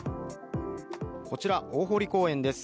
こちら大濠公園です。